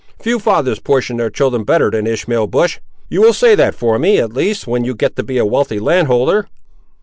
Few fathers portion their children better than Ishmael Bush; you will say that for me, at least, when you get to be a wealthy landholder."